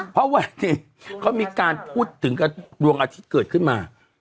เพราะวันนี้เขามีการพูดถึงกับดวงอาทิตย์เกิดขึ้นมา